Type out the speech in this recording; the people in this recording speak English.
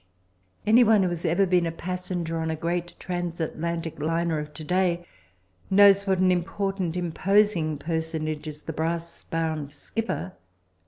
Anyone who has ever been a passenger on a great transatlantic liner of to day knows what an important, imposing personage is the brass bound skipper.